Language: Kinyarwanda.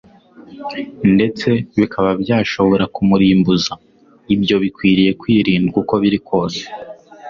ndetse bikaba byashobora kumurimbuza. Ibyo bikwiriye kwirindwa uko biri kose,